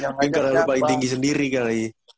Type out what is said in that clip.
yang agak agak yang paling tinggi sendiri kali